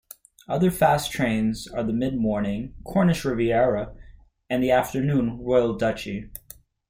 Other fast trains are the mid-morning "Cornish Riviera" and the afternoon "Royal Duchy".